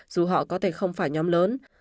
dù họ có thể không phải nhóm lớn